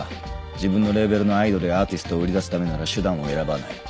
自分のレーベルのアイドルやアーティストを売り出すためなら手段を選ばない。